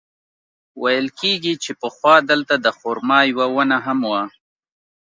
ویل کېږي چې پخوا دلته د خرما یوه ونه هم وه.